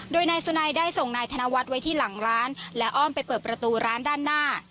โดยนายสุนัยได้ส่งนายธนวัฒน์ไว้ที่หลังร้านและอ้อมไปเปิดประตูร้านด้านหน้า